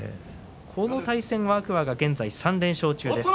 この対戦、天空海が３連勝中です。